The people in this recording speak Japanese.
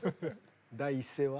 第一声は？